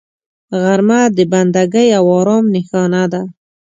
غرمه د بندګۍ او آرام نښانه ده